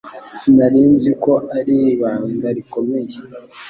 Sinari nzi ko ari ibanga rikomeye